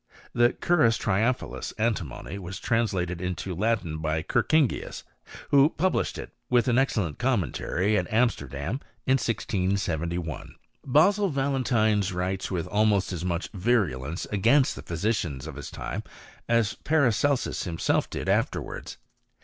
The Currus triumphalis Antimonii was translated into Latin by Kerkringius, who published it, with an excellent commentary, at Amsterdam, in 1671. Basil Valentine writes with almost as much virulence against the physicians of his time, as Paracelsus him self did afterwards.